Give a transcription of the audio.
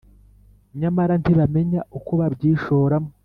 Nyamara ntibamenya uko babyishoramo